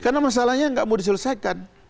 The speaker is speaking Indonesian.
karena masalahnya nggak mau diselesaikan